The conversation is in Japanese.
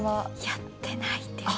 やってないです。